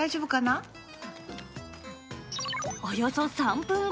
およそ３分後。